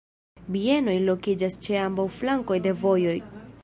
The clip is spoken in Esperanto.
Bienoj lokiĝas ĉe ambaŭ flankoj de vojo, kiu kutime troviĝas laŭ fundo de valo.